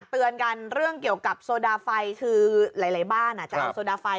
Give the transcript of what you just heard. เตือนกันเรื่องเกี่ยวกับโซดาไฟคือหลายบ้านจะเอาโซดาไฟ